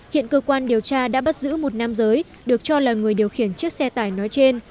hiện cơ quan điều tra đã bắt giữ một nam giới được cho là người điều khiển chiếc xe tải nói trên